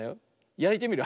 やいてみる。